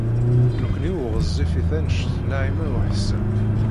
Nekkni ur ɣezzifit anect n Naɛima u Ḥsen.